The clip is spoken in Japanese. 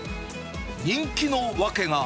人気の訳が。